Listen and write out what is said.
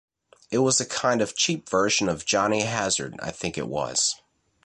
It was a kind of cheap version of "Johnny Hazard", I think it was".